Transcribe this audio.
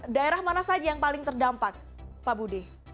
daerah mana saja yang paling terdampak pak budi